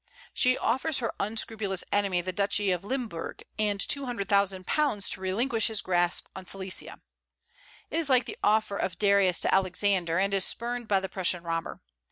She offers her unscrupulous enemy the Duchy of Limberg and two hundred thousand pounds to relinquish his grasp on Silesia. It is like the offer of Darius to Alexander, and is spurned by the Prussian robber.